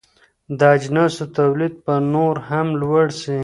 د اجناسو تولید به نور هم لوړ سي.